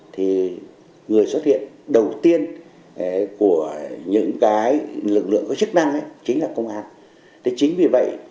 thì người xuất hiện đầu tiên của những cái lực lượng có chức năng chính là công an thế chính vì vậy